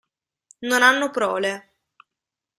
Non hanno prole.